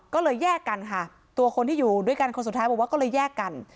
ก็เลยแยกกันค่ะตัวคนที่อยู่ด้วยกันคนสุดท้ายบอกว่าก็เลยแยกกัน